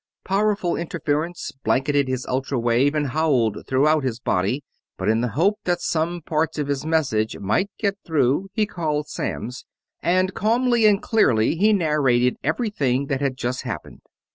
Powerful interference blanketed his ultra wave and howled throughout his body; but in the hope that some parts of his message might get through he called Samms, and calmly and clearly he narrated everything that had just happened.